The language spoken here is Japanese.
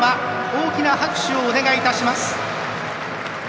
大きな拍手をお願いいたします。